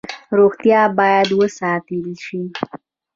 روغتیا باید وساتل شي